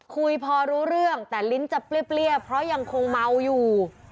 คุยพอรู้เรื่องแต่ลิ้นจะเปรี้ยเพราะยังคงเมาอยู่